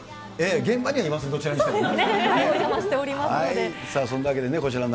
現場にはいます、どちらにしてもね。